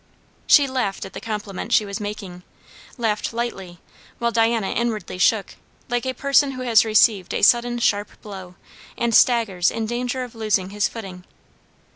She laughed at the compliment she was making, laughed lightly; while Diana inwardly shook, like a person who has received a sudden sharp blow, and staggers in danger of losing his footing.